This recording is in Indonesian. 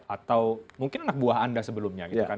atau mungkin anak buah anda sebelumnya gitu kan